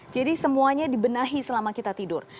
semuanya dibenahi selama kita tidur